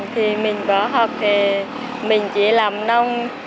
thì mình bỏ học thì mình chỉ làm nông